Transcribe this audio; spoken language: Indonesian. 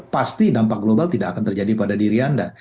pasti dampak global tidak akan terjadi pada diri anda